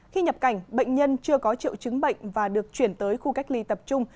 khi nhập cảnh bệnh nhân chưa có triệu chứng bệnh và được chuyển tới khu cách ly tập trung